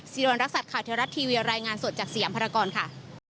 วรรณรักษัตริย์ข่าวเทวรัฐทีวีรายงานสดจากสยามภารกรค่ะ